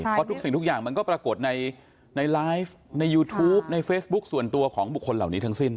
เพราะทุกสิ่งทุกอย่างมันก็ปรากฏในไลฟ์ในยูทูปในเฟซบุ๊คส่วนตัวของบุคคลเหล่านี้ทั้งสิ้น